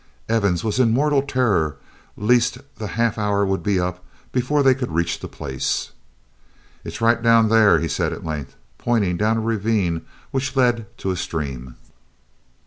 Evans was in mortal terror lest the half hour would be up before they could reach the place. "It is right down thar," he at length said, pointing down a ravine which led to a stream.